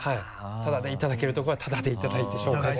タダでいただけるとこはタダでいただいて紹介する。